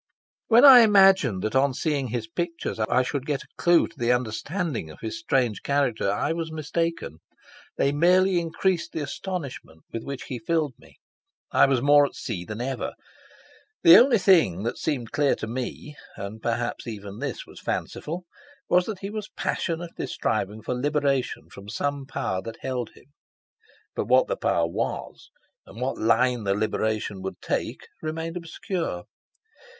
When I imagined that on seeing his pictures I should get a clue to the understanding of his strange character I was mistaken. They merely increased the astonishment with which he filled me. I was more at sea than ever. The only thing that seemed clear to me and perhaps even this was fanciful was that he was passionately striving for liberation from some power that held him. But what the power was and what line the liberation would take remained obscure.